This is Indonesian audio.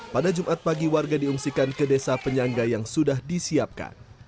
pada jumat pagi warga diungsikan ke desa penyangga yang sudah disiapkan